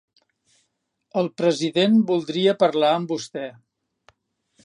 El president voldria parlar amb vostè.